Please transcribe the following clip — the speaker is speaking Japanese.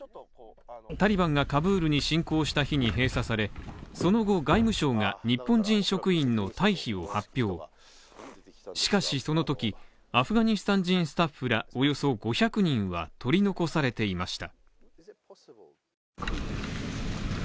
タリバンがカブールに進攻した日に閉鎖され、その後外務省が日本人職員の退避を発表アフガニスタン人スタッフらおよそ５００人は取り残されていました。